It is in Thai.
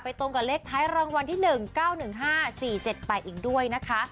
ตรงกับเลขท้ายรางวัลที่๑๙๑๕๔๗๘อีกด้วยนะคะ